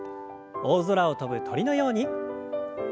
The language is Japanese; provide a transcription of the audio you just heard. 大空を飛ぶ鳥のように。